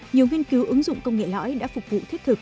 nhiều nghiên cứu ứng dụng công nghệ lõi đã phục vụ thiết thực